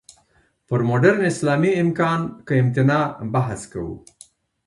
پر «مډرن اسلام، امکان که امتناع؟» بحث کوو.